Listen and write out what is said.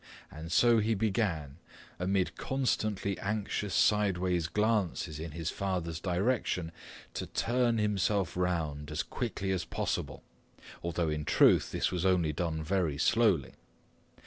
And so he began, amid constantly anxious sideways glances in his father's direction, to turn himself around as quickly as possible, although in truth this was only done very slowly.